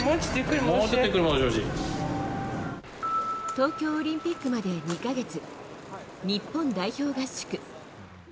東京オリンピックまで２か月日本代表合宿。